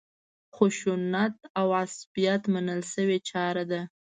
خشونت او عصبیت منل شوې چاره ده.